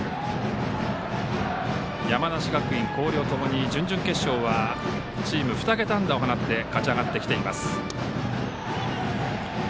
山梨学院、広陵ともに準々決勝はチーム２桁安打を放って勝ち上がってきています。